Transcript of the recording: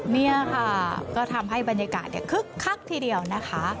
นี่ค่ะก็ทำให้บรรยากาศคึกคักทีเดียวนะคะ